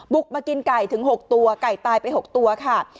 มากินไก่ถึง๖ตัวไก่ตายไป๖ตัวค่ะ